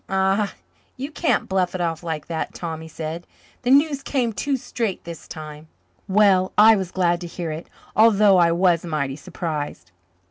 "Ah, you can't bluff it off like that, Tom," he said. "The news came too straight this time. Well, I was glad to hear it, although I was mighty surprised.